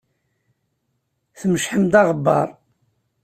Tmecḥem-d aɣebbar.